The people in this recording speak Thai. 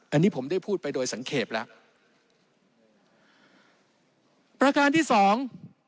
อันนี้ผมได้พูดไปโดยสังเกตแล้วประการที่สอง